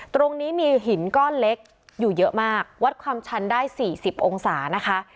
ตรงนี้มีหินก้อนเล็กอยู่เยอะมากวัดความชันได้๔๐องศานะคะ